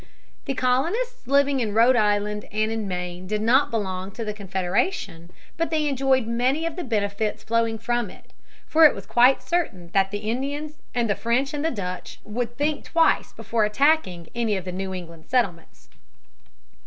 The colonists living in Rhode Island and in Maine did not belong to the Confederation, but they enjoyed many of the benefits flowing from it; for it was quite certain that the Indians and the French and the Dutch would think twice before attacking any of the New England settlements.